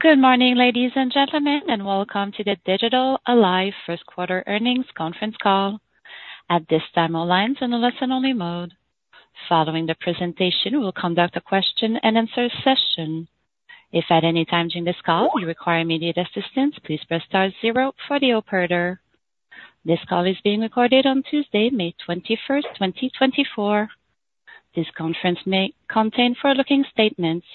Good morning, ladies and gentlemen, and welcome to the Digital Ally first quarter earnings conference call. At this time, all lines are in a listen-only mode. Following the presentation, we'll conduct a question-and-answer session. If at any time during this call you require immediate assistance, please press star zero for the operator. This call is being recorded on Tuesday, May 21st, 2024. This conference may contain forward-looking statements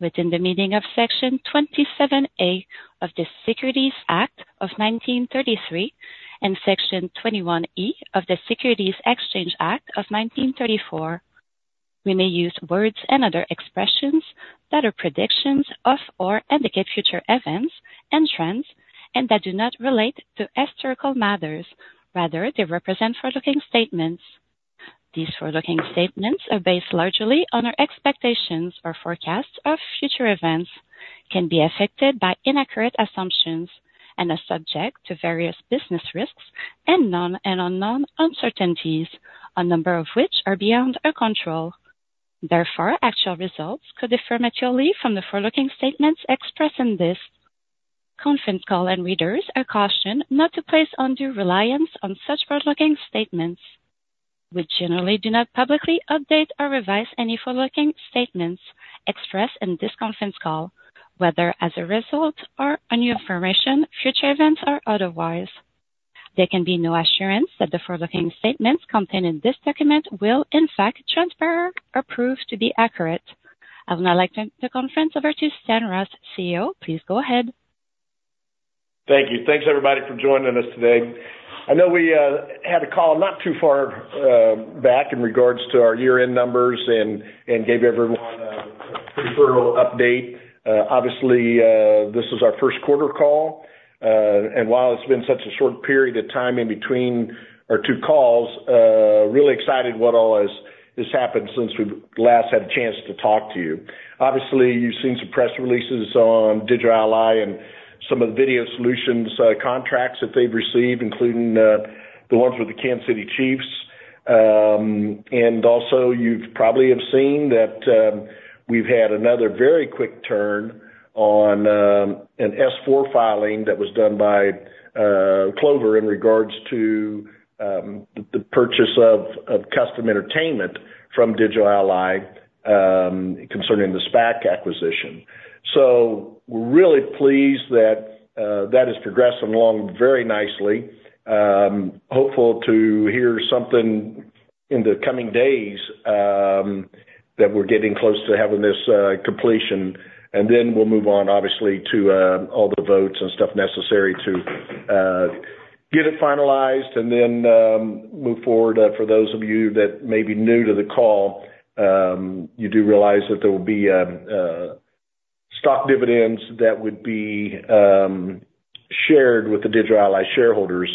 within the meaning of Section 27A of the Securities Act of 1933 and Section 21E of the Securities Exchange Act of 1934. We may use words and other expressions that are predictions of, or indicate future events and trends, and that do not relate to historical matters. Rather, they represent forward-looking statements. These forward-looking statements are based largely on our expectations or forecasts of future events, can be affected by inaccurate assumptions and are subject to various business risks and known and unknown uncertainties, a number of which are beyond our control. Therefore, actual results could differ materially from the forward-looking statements expressed in this conference call, and readers are cautioned not to place undue reliance on such forward-looking statements. We generally do not publicly update or revise any forward-looking statements expressed in this conference call, whether as a result of our new information, future events, or otherwise. There can be no assurance that the forward-looking statements contained in this document will in fact transfer or prove to be accurate. I would now like to turn the conference over to Stan Ross, CEO. Please go ahead. Thank you. Thanks, everybody, for joining us today. I know we had a call not too far back in regards to our year-end numbers and gave everyone a revenue update. Obviously, this is our first quarter call, and while it's been such a short period of time in between our two calls, really excited what all has happened since we've last had a chance to talk to you. Obviously, you've seen some press releases on Digital Ally and some of the Video Solutions contracts that they've received, including the ones with the Kansas City Chiefs. And also you've probably seen that, we've had another very quick turn on an S-4 filing that was done by Clover in regards to the purchase of Kustom Entertainment from Digital Ally, concerning the SPAC acquisition. So we're really pleased that that is progressing along very nicely. Hopeful to hear something in the coming days that we're getting close to having this completion, and then we'll move on, obviously, to all the votes and stuff necessary to get it finalized and then move forward. For those of you that may be new to the call, you do realize that there will be stock dividends that would be shared with the Digital Ally shareholders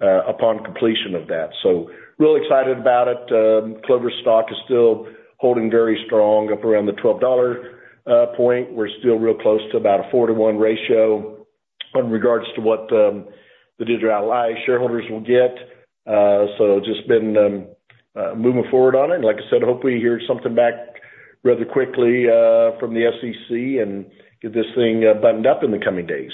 upon completion of that. So really excited about it. Clover's stock is still holding very strong, up around the $12 point. We're still real close to about a 4-to-1 ratio in regards to what the Digital Ally shareholders will get. So just been moving forward on it, and like I said, hopefully hear something back rather quickly from the SEC and get this thing buttoned up in the coming days.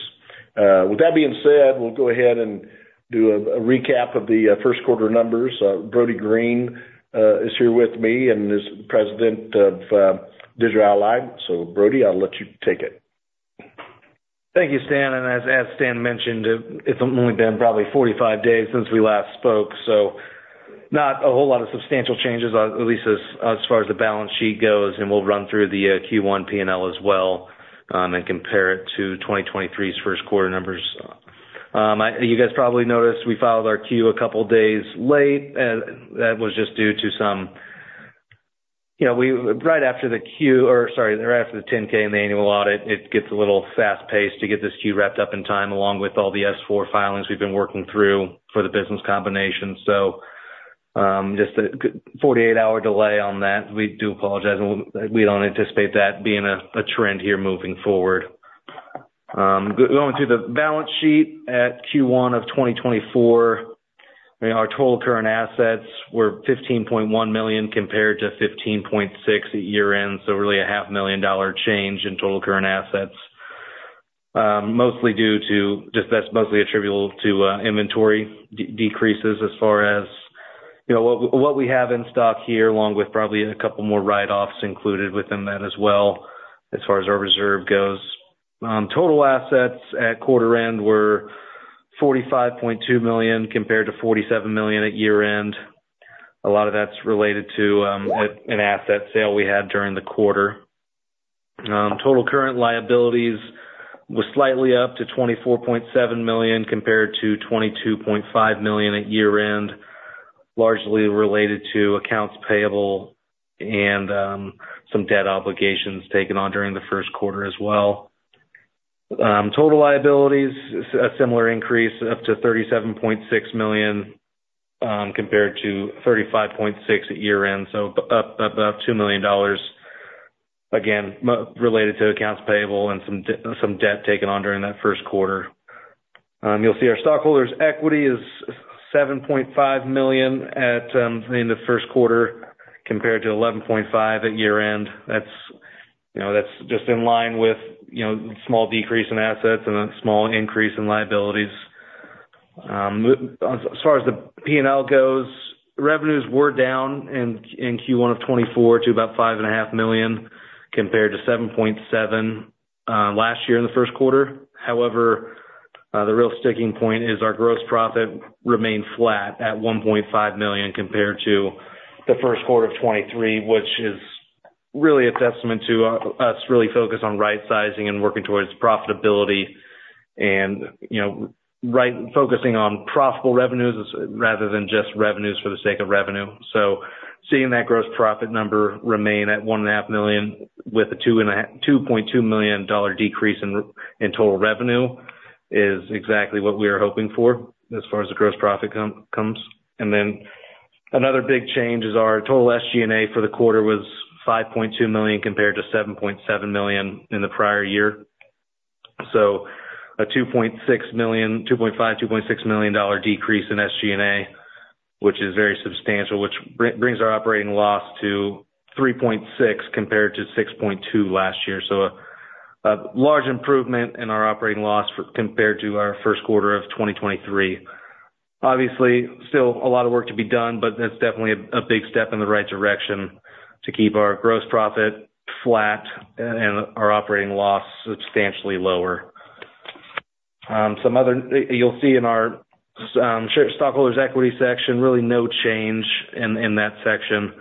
With that being said, we'll go ahead and do a recap of the first quarter numbers. Brody Green is here with me and is President of Digital Ally. So Brody, I'll let you take it. Thank you, Stan, and as Stan mentioned, it's only been probably 45 days since we last spoke, so not a whole lot of substantial changes, at least as far as the balance sheet goes, and we'll run through the Q1 P&L as well, and compare it to 2023's first quarter numbers. You guys probably noticed we filed our 10-Q a couple days late, and that was just due to some... You know, right after the 10-Q or sorry, right after the 10-K and the annual audit, it gets a little fast-paced to get this 10-Q wrapped up in time, along with all the S-4 filings we've been working through for the business combination. So, just a 48-hour delay on that. We do apologize, and we don't anticipate that being a trend here moving forward. Going through the balance sheet at Q1 of 2024, you know, our total current assets were $15.1 million, compared to $15.6 million at year-end, so really a $500,000 change in total current assets. Mostly due to, just that's mostly attributable to, inventory decreases as far as, you know, what, what we have in stock here, along with probably a couple more write-offs included within that as well, as far as our reserve goes. Total assets at quarter end were $45.2 million, compared to $47 million at year-end. A lot of that's related to, an, an asset sale we had during the quarter. Total current liabilities was slightly up to $24.7 million, compared to $22.5 million at year-end, largely related to accounts payable and some debt obligations taken on during the first quarter as well. Total liabilities, a similar increase, up to $37.6 million, compared to $35.6 million at year-end, so up about $2 million, again, related to accounts payable and some debt taken on during that first quarter. You'll see our stockholders' equity is $7.5 million in the first quarter, compared to $11.5 million at year-end. That's, you know, that's just in line with, you know, small decrease in assets and a small increase in liabilities. As far as the P&L goes, revenues were down in Q1 of 2024 to about $5.5 million, compared to $7.7 million last year in the first quarter. However, the real sticking point is our gross profit remained flat at $1.5 million, compared to the first quarter of 2023, which is really a testament to us really focused on right sizing and working towards profitability and, you know, focusing on profitable revenues, rather than just revenues for the sake of revenue. So seeing that gross profit number remain at $1.5 million with a $2.2 million dollar decrease in total revenue is exactly what we are hoping for as far as the gross profit comes. And then another big change is our total SG&A for the quarter was $5.2 million, compared to $7.7 million in the prior year. So a $2.6 million-- $2.5 million, $2.6 million dollar decrease in SG&A, which is very substantial, which brings our operating loss to $3.6, compared to $6.2 last year. So a large improvement in our operating loss compared to our first quarter of 2023. Obviously, still a lot of work to be done, but that's definitely a big step in the right direction to keep our gross profit flat and our operating loss substantially lower. You'll see in our stockholders' equity section, really no change in that section.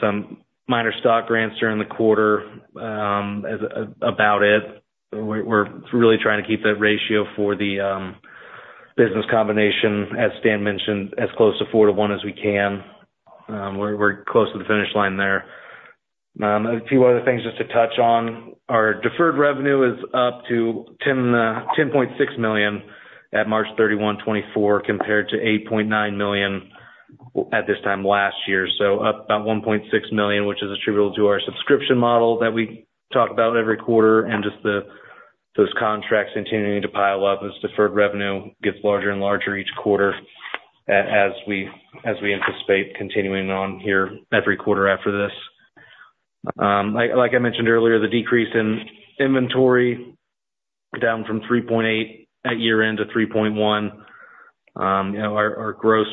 Some minor stock grants during the quarter, about it. We're really trying to keep that ratio for the business combination, as Stan mentioned, as close to 4-to-1 as we can. We're close to the finish line there. A few other things just to touch on. Our deferred revenue is up to $10.6 million at March 31, 2024, compared to $8.9 million at this time last year. So up about $1.6 million, which is attributable to our subscription model that we talk about every quarter, and just those contracts continuing to pile up as deferred revenue gets larger and larger each quarter, as we anticipate continuing on here every quarter after this. Like I mentioned earlier, the decrease in inventory down from $3.8 at year-end to $3.1. You know, our gross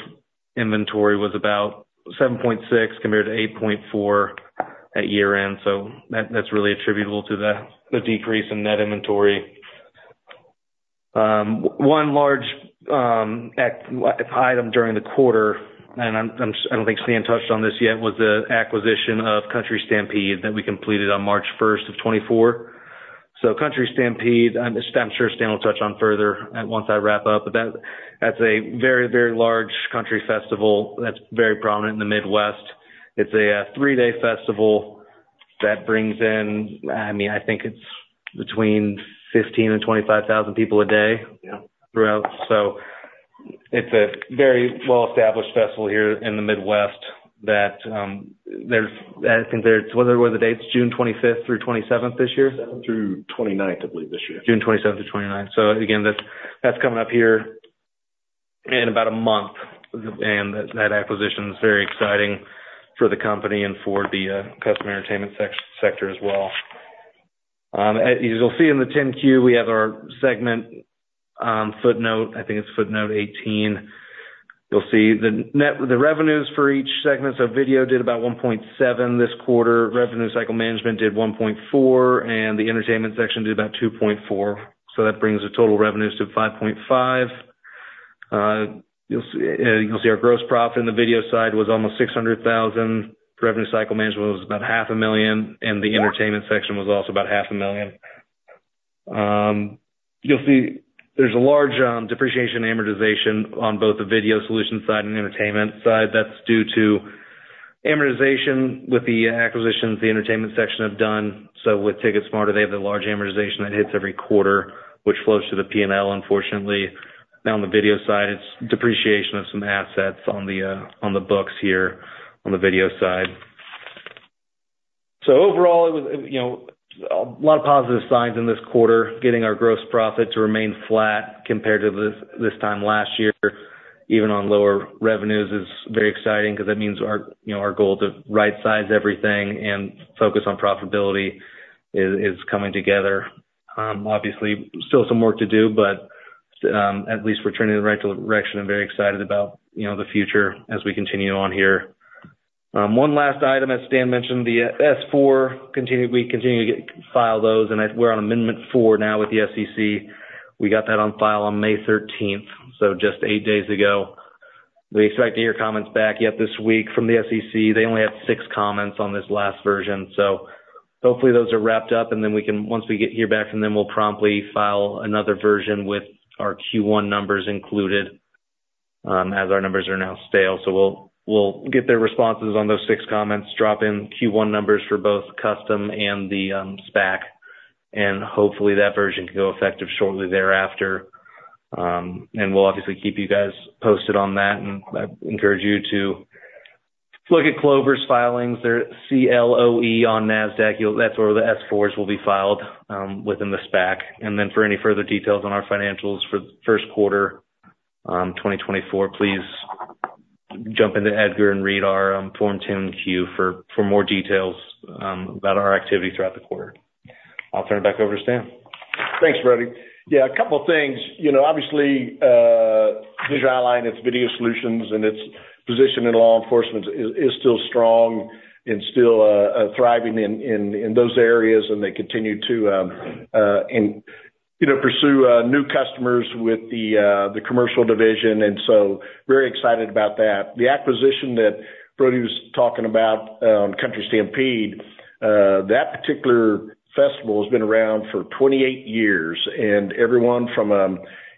inventory was about $7.6 compared to $8.4 at year-end, so that's really attributable to the decrease in net inventory. One large item during the quarter, and I don't think Stan touched on this yet, was the acquisition of Country Stampede that we completed on March 1st, 2024. So Country Stampede, and I'm sure Stan will touch on further once I wrap up, but that's a very, very large country festival that's very prominent in the Midwest. It's a three-day festival that brings in, I mean, I think it's between 15,000-25,000 people a day, you know, throughout. So it's a very well-established festival here in the Midwest that is considered. What are the dates? June 25th through 27th this year? Through 29th, I believe, this year. June 27th to 29th. So again, that's coming up here in about a month, and that acquisition is very exciting for the company and for the Kustom Entertainment sector as well. As you'll see in the 10-Q, we have our segment footnote, I think it's footnote 18. You'll see the revenues for each segment. So video did about $1.7 million this quarter. Revenue cycle management did $1.4 million, and the entertainment section did about $2.4 million. So that brings the total revenues to $5.5 million. You'll see our gross profit in the video side was almost $600,000. Revenue cycle management was about $500,000, and the entertainment section was also about $500,000. You'll see there's a large depreciation amortization on both the video solution side and entertainment side. That's due to amortization with the acquisitions the entertainment section have done. So with TicketSmarter, they have a large amortization that hits every quarter, which flows to the P&L, unfortunately. Now, on the video side, it's depreciation of some assets on the books here on the video side. So overall, it was, you know, a lot of positive signs in this quarter. Getting our gross profit to remain flat compared to this, this time last year, even on lower revenues, is very exciting because that means our, you know, our goal to right size everything and focus on profitability is, is coming together. Obviously, still some work to do, but at least we're turning in the right direction. I'm very excited about, you know, the future as we continue on here. One last item, as Stan mentioned, the S-4, we continue to file those, and we're on amendment 4 now with the SEC. We got that on file on May 13th, so just 8 days ago. We expect to hear comments back yet this week from the SEC. They only had 6 comments on this last version, so hopefully those are wrapped up, and then we can, once we hear back from them, we'll promptly file another version with our Q1 numbers included, as our numbers are now stale. So we'll get their responses on those six comments, drop in Q1 numbers for both Kustom and the SPAC, and hopefully that version can go effective shortly thereafter. And we'll obviously keep you guys posted on that, and I encourage you to just look at Clover's filings, they're CLOE on Nasdaq. You'll. That's where the S-4s will be filed within the SPAC. Then for any further details on our financials for the first quarter 2024, please jump into EDGAR and read our Form 10-Q for more details about our activity throughout the quarter. I'll turn it back over to Stan. Thanks, Brody. Yeah, a couple of things. You know, obviously, Digital Ally, its video solutions and its position in law enforcement is still strong and still thriving in those areas, and they continue to, you know, pursue new customers with the commercial division, and so very excited about that. The acquisition that Brody was talking about, Country Stampede, that particular festival has been around for 28 years, and everyone from,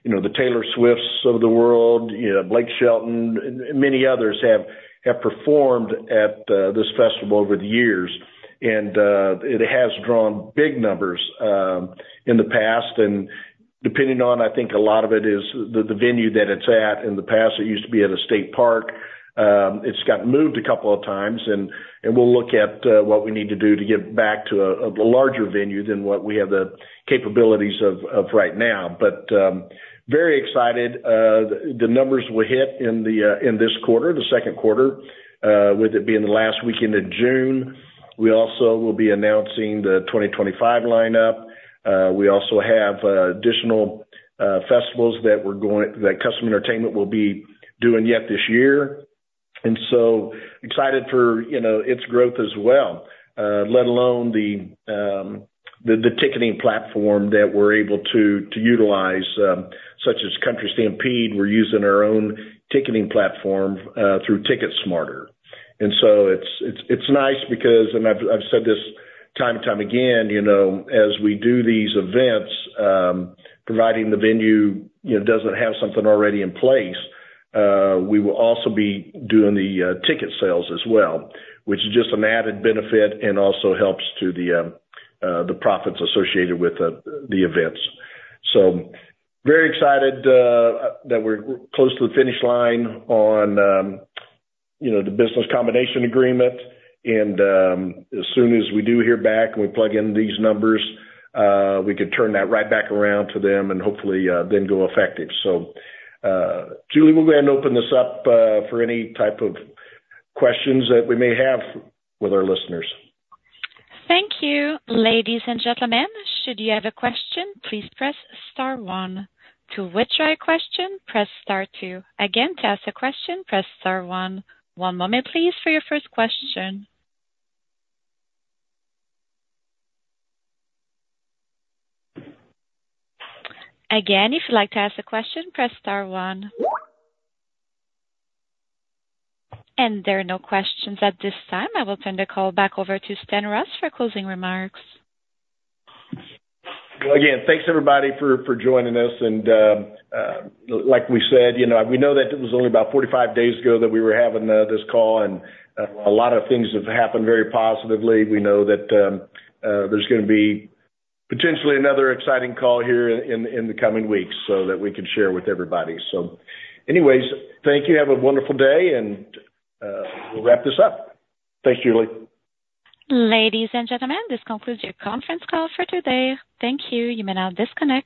you know, the Taylor Swifts of the world, you know, Blake Shelton, and many others have performed at this festival over the years. And it has drawn big numbers in the past, and depending on, I think a lot of it is the venue that it's at. In the past, it used to be at a state park. It's got moved a couple of times, and we'll look at what we need to do to get back to a larger venue than what we have the capabilities of right now. But very excited the numbers we hit in this quarter, the second quarter, with it being the last weekend of June. We also will be announcing the 2025 lineup. We also have additional festivals that Kustom Entertainment will be doing yet this year, and so excited for, you know, its growth as well. Let alone the ticketing platform that we're able to utilize such as Country Stampede. We're using our own ticketing platform through TicketSmarter. And so it's nice because... And I've said this time and time again, you know, as we do these events, providing the venue, you know, doesn't have something already in place, we will also be doing the ticket sales as well, which is just an added benefit and also helps to the profits associated with the events. So very excited that we're close to the finish line on, you know, the business combination agreement, and as soon as we do hear back and we plug in these numbers, we could turn that right back around to them and hopefully then go effective. So, Julie, we're going to open this up for any type of questions that we may have with our listeners. Thank you. Ladies and gentlemen, should you have a question, please press star one. To withdraw your question, press star two. Again, to ask a question, press star one. One moment, please, for your first question. Again, if you'd like to ask a question, press star one. There are no questions at this time. I will turn the call back over to Stan Ross for closing remarks. Well, again, thanks, everybody, for joining us. And, like we said, you know, we know that it was only about 45 days ago that we were having this call, and a lot of things have happened very positively. We know that there's gonna be potentially another exciting call here in the coming weeks so that we can share with everybody. So anyways, thank you. Have a wonderful day, and we'll wrap this up. Thank you, Julie. Ladies and gentlemen, this concludes your conference call for today. Thank you. You may now disconnect.